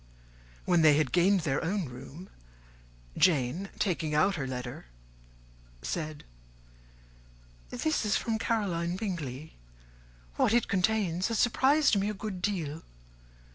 When they had gained their own room, Jane, taking out her letter, said, "This is from Caroline Bingley: what it contains has surprised me a good deal.